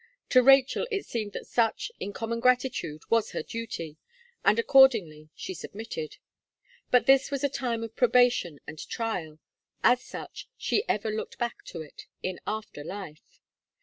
To Rachel it seemed that such, in common gratitude, was her duty; and, accordingly, she submitted. But this was a time of probation and trial: as such she ever looked back to it, in after life.